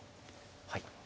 はい。